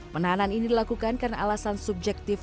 penahanan ini dilakukan karena alasan subjektif